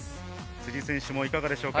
辻選手もいかがですか？